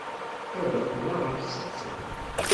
Ad d-qqleɣ ɣef ssetta.